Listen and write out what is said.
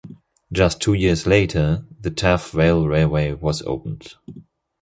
Just two years later, the Taff Vale Railway was opened.